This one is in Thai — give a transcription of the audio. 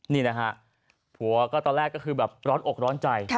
นี่นะฮะผัวก็ตอนแรกก็คือแบบร้อนอกร้อนใจ